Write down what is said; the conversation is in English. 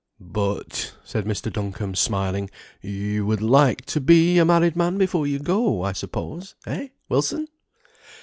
"But " said Mr. Duncombe, smiling, "you would like to be a married man before you go, I suppose; eh, Wilson?"